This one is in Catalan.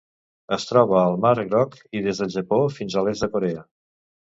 Es troba al Mar Groc i des del Japó fins a l'est de Corea.